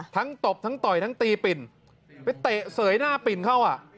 ตบทั้งต่อยทั้งตีปิ่นไปเตะเสยหน้าปิ่นเข้าอ่ะ